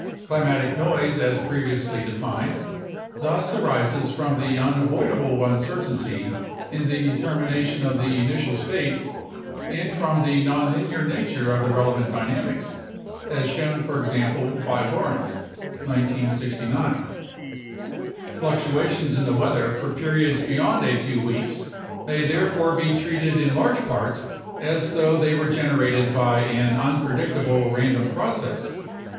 Climatic noise as previously defined thus arises from the unavoidable uncertainty in the determination of the initial state and from the nonlinear nature of the relevant dynamics, as shown, for example, by Lorenz (1969). Fluctuations in the weather for periods PHYSICAL BASIS OF CLIMATE AND CLIMATIC CHANGE 33 beyond a few weeks may therefore be treated in large part as though they were generated by an unpredictable random process.